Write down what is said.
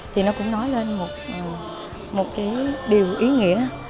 thì nó cũng nói lên một điều ý nghĩa